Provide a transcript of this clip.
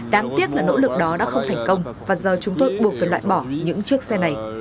đáng tiếc là nỗ lực đó đã không thành công và giờ chúng tôi buộc phải loại bỏ những chiếc xe này